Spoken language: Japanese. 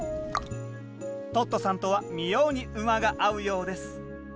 トットさんとは妙に馬が合うようです。